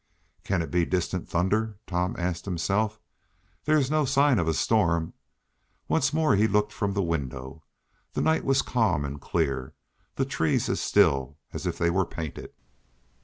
"Can it be distant thunder?" Tom asked himself. "There is no sign of a storm." Once more he looked from the window. The night was calm and clear the trees as still as if they were painted.